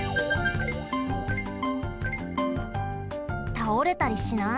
たおれたりしない？